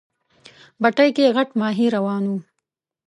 بتۍ کې غټ ماهی روان و.